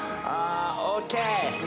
ＯＫ。